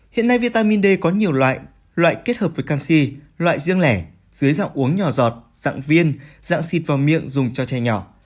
hiện nay vitamin d có nhiều loại loại kết hợp với canxi loại riêng lẻ dưới dạng uống nhỏ giọt dạng viên dạng xịt vào miệng dùng cho trẻ nhỏ